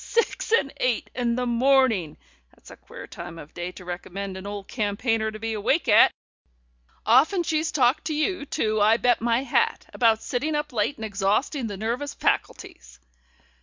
Six and eight in the morning! That's a queer time of day to recommend an old campaigner to be awake at! Often she's talked to you, too, I bet my hat, about sitting up late and exhausting the nervous faculties."